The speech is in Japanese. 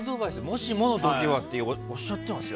もしもの時はおっしゃってますよ。